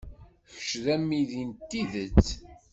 Kečč d amidi n tidet.